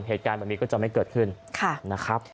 เหตุการณ์แบบนี้ก็จะไม่เกิดขึ้นนะครับ